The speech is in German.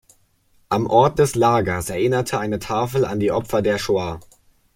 Am Ort des Lagers erinnerte eine Tafel an die Opfer der Shoa.